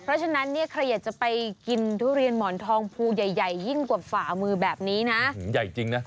เพราะฉะนั้นเนี่ยใครอยากจะไปกินทุเรียนหมอนทองภูใหญ่ใหญ่ยิ่งกว่าฝ่ามือแบบนี้นะใหญ่จริงนะ